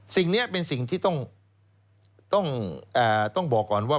สิ่งนี้เป็นสิ่งที่ต้องบอกก่อนว่า